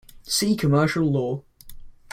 See commercial law.